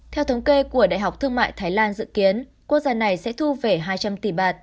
theo thống kê của đại học thương mại thái lan dự kiến quốc gia này sẽ thu về hai trăm linh tỷ bạt